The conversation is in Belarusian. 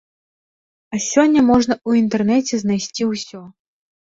А сёння можна ў інтэрнэце знайсці ўсё.